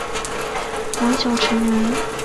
王尧臣人。